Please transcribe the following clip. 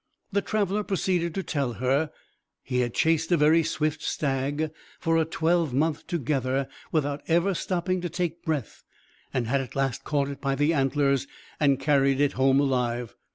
The traveller proceeded to tell how he had chased a very swift stag for a twelvemonth together, without ever stopping to take breath, and had at last caught it by the antlers, and carried it home alive.